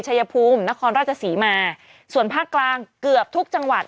ชายภูมินครราชศรีมาส่วนภาคกลางเกือบทุกจังหวัด